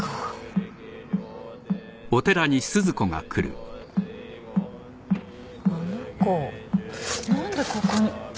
あの子何でここに。